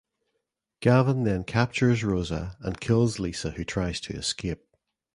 Gavin then captures Rosa and kills Lisa who tries to escape.